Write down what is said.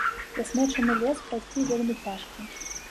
Засмечаны лес, прайсці вельмі цяжка.